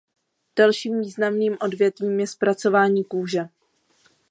Dalším významným odvětvím je zpracování kůže.